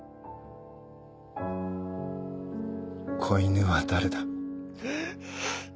子犬は誰だ？